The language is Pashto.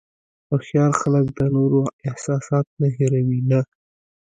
هوښیار خلک د نورو احساسات نه هیروي نه.